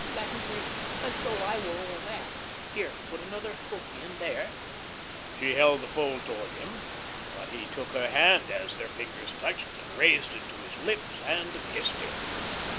"Landry, as though I were all that. Here, put another hook in here." She held the fold towards him. But he took her hand as their fingers touched and raised it to his lips and kissed it.